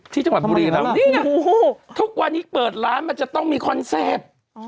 ที่จังหวัดบุรีรำนี่ไงทุกวันนี้เปิดร้านมันจะต้องมีคอนเซ็ปต์